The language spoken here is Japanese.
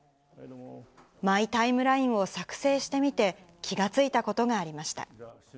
マイタイムラインを作成してみて、気が付いたことがありました。